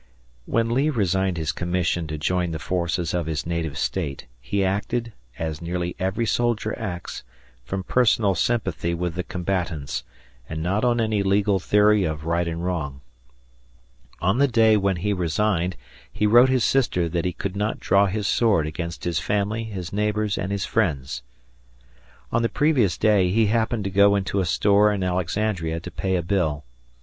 When Lee resigned his commission to join the forces of his native State, he acted, as nearly every soldier acts, from personal sympathy with the combatants, and not on any legal theory of right and wrong. On the day when he resigned, he wrote his sister that he could not draw his sword against his family, his neighbors, and his friends. On the previous day, he happened to go into a store in Alexandria to pay a bill.